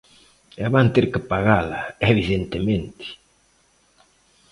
E van ter que pagala, evidentemente.